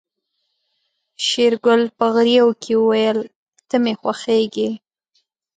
شېرګل په غريو کې وويل ته مې خوښيږې.